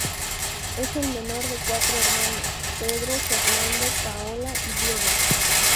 Es el menor de cuatro hermanos: Pedro, Fernando, Paola y Diego.